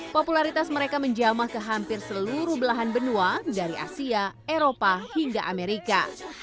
popularitas mereka menjamah ke hampir seluruh belahan benua dari asia eropa hingga amerika